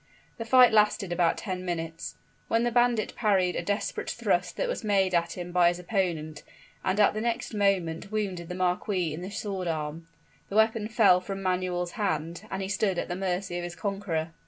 The fight lasted about ten minutes, when the bandit parried a desperate thrust that was made at him by his opponent, and at the next moment wounded the marquis in the sword arm. The weapon fell from Manuel's hand, and he stood at the mercy of his conqueror.